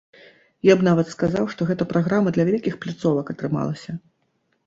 Я б нават сказаў, што гэта праграма для вялікіх пляцовак атрымалася.